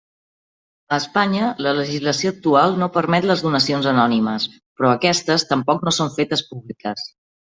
A Espanya, la legislació actual no permet les donacions anònimes, però aquestes tampoc no són fetes públiques.